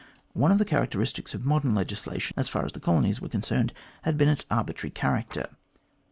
One of the characteristics of modern legislation, as far as the colonies were concerned, had been its arbitrary character.